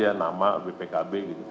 yang pertama saya mau